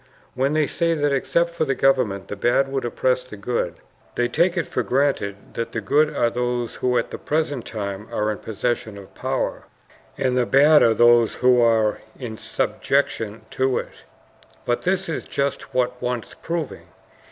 When they say that except for the government the bad would oppress the good, they take it for granted that the good are those who at the present time are in possession of power, and the bad are those who are in subjection to it. But this is just what wants proving.